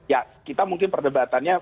ya kita mungkin perdebatannya